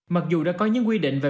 mặc dù đã có những quy định về